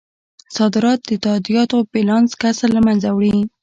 صادرات د تادیاتو بیلانس کسر له مینځه وړي.